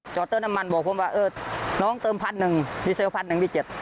จอดเติมน้ำมันบอกผมว่าเออน้องเติมพันหนึ่งดีเซลพันหนึ่งดีเจ็ด